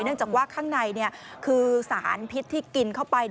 เนื่องจากว่าข้างในคือสารพิษที่กินเข้าไป